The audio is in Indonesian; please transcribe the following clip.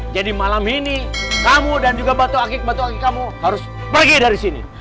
jadi malam ini kamu dan juga batu akik batu akik kamu harus pergi dari sini